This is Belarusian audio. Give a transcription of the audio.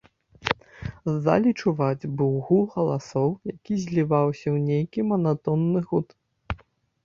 З залі чуваць быў гул галасоў, які зліваўся ў нейкі манатонны гуд.